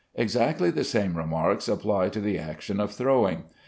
Exactly the same remarks apply to the action of throwing.